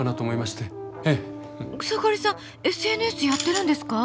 草刈さんＳＮＳやってるんですか？